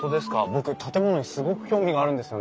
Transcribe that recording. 僕建物にすごく興味があるんですよね。